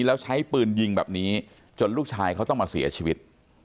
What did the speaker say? แล้วใช้ปืนยิงแบบนี้จนลูกชายเขาต้องมาเสียชีวิต